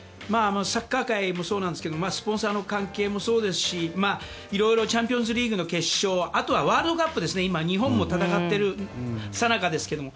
サッカー界もそうですがスポンサーの関係もそうですしいろいろチャンピオンズリーグの決勝やあとはワールドカップですね日本も戦っているさなかですが。